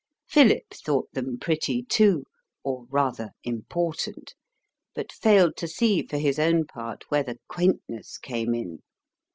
Philip thought them pretty, too (or rather, important), but failed to see for his own part where the quaintness came in.